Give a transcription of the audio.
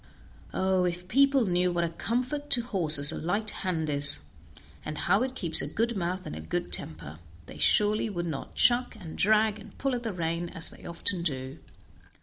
Oh! if people knew what a comfort to horses a light hand is, and how it keeps a good mouth and a good temper, they surely would not chuck, and drag, and pull at the rein as they often do.